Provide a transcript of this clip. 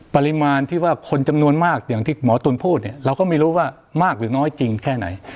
ปริมาณที่ว่าคนจำนวนมากอย่างที่หมอตุ๋นพูดเนี่ยเราก็ไม่รู้ว่ามากหรือน้อยจริงแค่ไหน